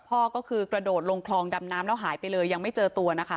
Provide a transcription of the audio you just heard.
พ่อก็คือกระโดดลงคลองดำน้ำแล้วหายไปเลยยังไม่เจอตัวนะคะ